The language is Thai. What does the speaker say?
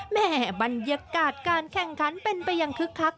บรรยากาศการแข่งขันเป็นไปอย่างคึกคัก